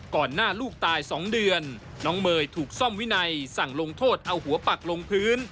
หน้าลูกตาย๒เดือนน้องเมย์ถูกซ่อมวินัยสั่งลงโทษเอาหัวปักลงพื้น